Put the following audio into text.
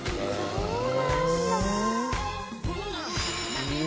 そうなんだ。